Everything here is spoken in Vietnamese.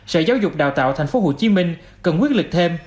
sở giáo dục đào tạo tp hcm cần quyết lực thêm